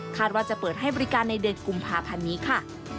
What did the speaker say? ว่าจะเปิดให้บริการในเดือนกุมภาพันธ์นี้ค่ะ